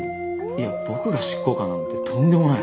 いや僕が執行官なんてとんでもない。